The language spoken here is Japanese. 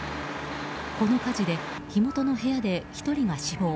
この火事で火元の部屋で１人が死亡。